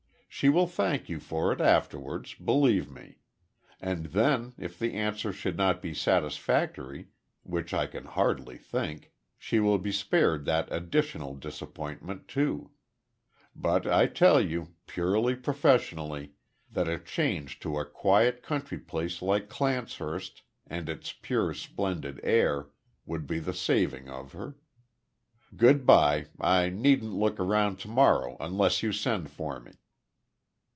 She will thank you for it afterwards, believe me; and then, if the answer should not be satisfactory, which I can hardly think she will be spared that additional disappointment too. But I tell you, purely professionally, that a change to a quiet country place like Clancehurst, and its pure, splendid air, would be the saving of her. Good bye. I needn't look round to morrow unless you send for me."